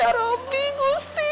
ya rabbi nusti